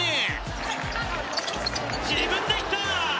自分でいった！